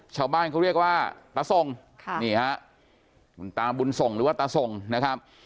ชาวบ้านเขาเรียกว่าตาส่งค่ะนี่ฮะคุณตาบุญส่งหรือว่าตาส่งนะครับ